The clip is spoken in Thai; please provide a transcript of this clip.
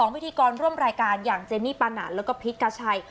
พิธีกรร่วมรายการอย่างเจนี่ปานาแล้วก็พิษกาชัย